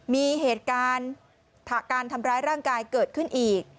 มีเหตุการณ์การทำร้ายร่างกายเกิดขึ้นอีก